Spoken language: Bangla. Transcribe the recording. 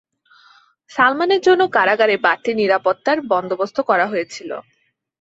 সালমানের জন্য কারাগারে বাড়তি নিরাপত্তার বন্দোবস্ত করা হয়েছিল।